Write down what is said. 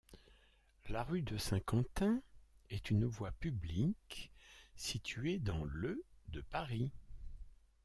La rue de Saint-Quentin est une voie publique située dans le de Paris.